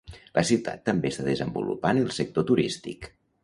La ciutat també està desenvolupant el sector turístic.